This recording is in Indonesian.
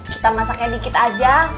kita masaknya dikit aja